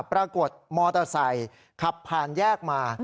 ปรากฏมอเตอร์ไซค์ขับผ่านแยกมา